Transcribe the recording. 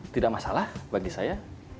tidak masalah bagi saya